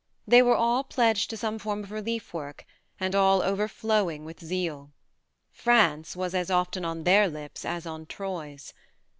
They were all pledged to some form of relief work, and all overflowing with zeal :" France " was as often on their lips as on Troy's.